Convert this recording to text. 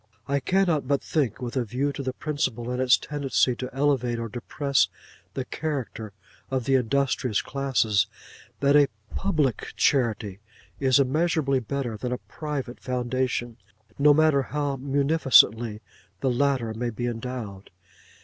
I cannot but think, with a view to the principle and its tendency to elevate or depress the character of the industrious classes, that a Public Charity is immeasurably better than a Private Foundation, no matter how munificently the latter may be endowed.